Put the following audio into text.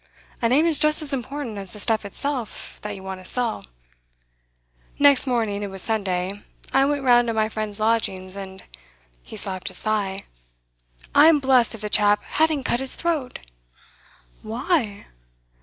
A name is just as important as the stuff itself that you want to sell. Next morning it was Sunday I went round to my friend's lodgings, and' he slapped his thigh 'I'm blest if the chap hadn't cut his throat!' 'Why?